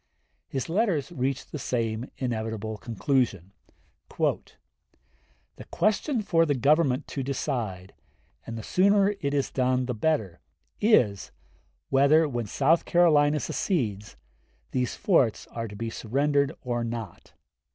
His letters reached the same inevitable conclusion: "The question for the Government to decide and the sooner it is done the better is, whether, when South Carolina secedes, these forts are to be surrendered or not.